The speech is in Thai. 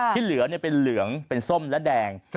ที่เหลือเป็นเหลืองเป็นส้มและแดง